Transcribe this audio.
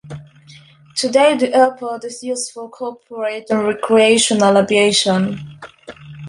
Today the airport is used for corporate and recreational aviation.